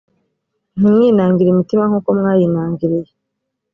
ntimwinangire imitima nk uko mwayinangiriye